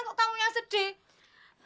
kok kamu yang sedih